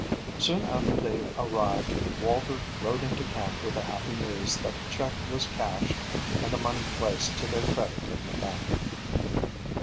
Soon after they arrived Walter rode into camp with the happy news that the check was cashed and the money placed to their credit in the bank.